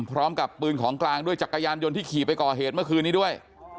พร้อมกับปืนของกลางด้วยจักรยานยนต์ที่ขี่ไปก่อเหตุเมื่อคืนนี้ด้วย